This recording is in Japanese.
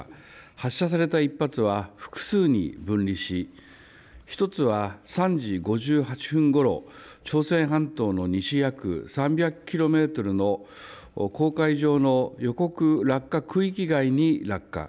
発射された１発は複数に分離し、１つは３時５８分ごろ、朝鮮半島の西約３００キロメートルの黄海上の予告落下区域外に落下。